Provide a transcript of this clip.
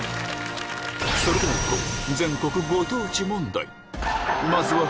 それではいこう！